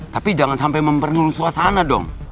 tapi jangan sampai memperlulus suasana dong